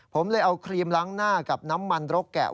ผมเลยเอาครีมล้างหน้ากับน้ำมันรกแกะ